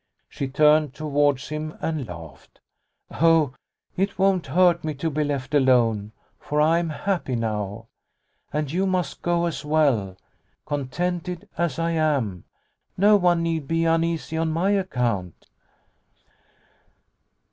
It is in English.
She turned towards him and laughed. " Oh, it won't hurt me to be left alone, for I am happy now. And you must go as well. Contented as I am, no one need be uneasy on my account."